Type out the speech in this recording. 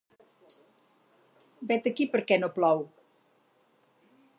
Vet aquí per què no plou!